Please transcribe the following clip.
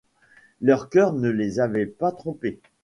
Leur cœur ne les avait pas trompés.